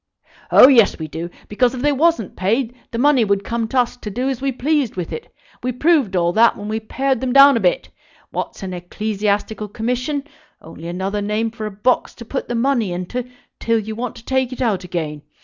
"Oh yes, we do; because, if they wasn't paid, the money would come to us to do as we pleased with it. We proved all that when we pared them down a bit. What's an Ecclesiastical Commission? Only another name for a box to put the money into till you want to take it out again.